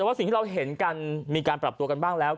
แต่ว่าสิ่งที่เราเห็นกันมีการปรับตัวกันบ้างแล้ว